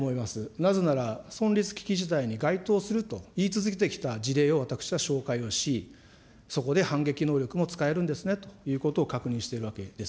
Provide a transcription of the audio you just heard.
なぜなら、存立危機事態に該当すると言い続けてきた事例を私は紹介をし、そこで反撃能力も使えるんですねということを確認しているわけです。